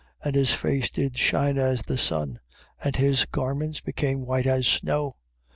And his face did shine as the sun: and his garments became white as snow.